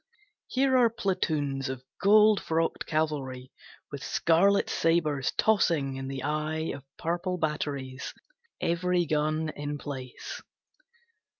Here are platoons of gold frocked cavalry, With scarlet sabres tossing in the eye Of purple batteries, every gun in place.